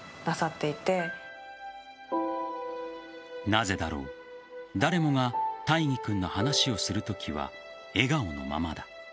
なぜだろう誰もが、大義君の話をするときは笑顔のままだ。